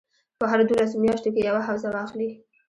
په هرو دولسو میاشتو کې یوه حوزه واخلي.